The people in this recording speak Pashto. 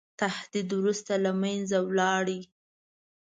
تهدید وروسته له منځه ولاړ.